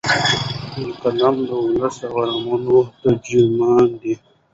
د ده قلم د ولس د ارمانونو ترجمان دی.